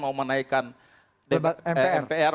mau menaikkan mpr